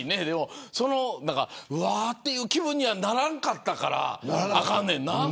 うわ、という気分にはならなかったからあかんねんな。